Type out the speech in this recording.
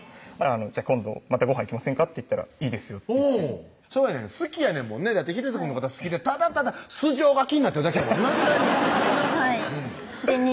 「今度またごはん行きませんか？」って言ったら「いいですよ」ってそうやねん好きやねんもんね秀人くんのことは好きでただただ素性が気になってるだけやもんなそうですはい２